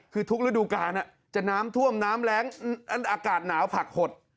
คือทุกฤดูกาลจะน้ำท่วมน้ำแรงอากาศหนาวผักหด